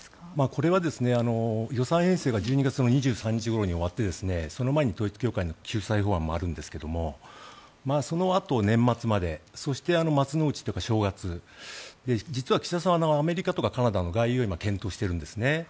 これは予算編成が１２月２３日ごろに終わってその前に統一教会の救済法案もあるんですがそのあと年末までそして、松の内とか正月実は岸田さんはアメリカとかカナダの外遊を今、検討しているんですね。